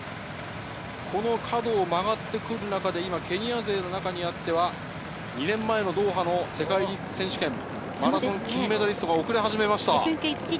角を曲がってくる中でケニア勢の中にあっては２年前のドーハの世界選手権のマラソン金メダリストが遅れ始めました。